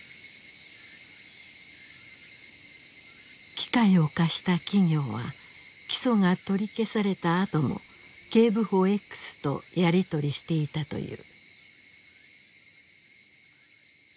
機械を貸した企業は起訴が取り消されたあとも警部補Ｘとやり取りしていたという。